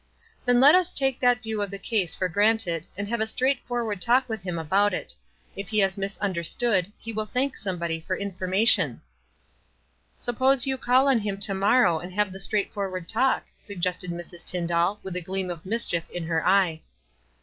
"Then let us take that view of the case for granted, and have a straightforward talk with him about it. If he has misunderstood, he will thank somebody for information." WISE AND OTHERWISE. 249 "Suppose you call ou him to morrow, and L/tf e the straightforward talk," suggested Mrs. Tyndall, with a gleam of mischief in her eye.